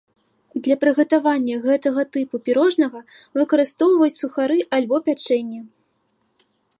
Для прыгатавання гэтага тыпу пірожнага выкарыстоўваюць сухары альбо пячэнне.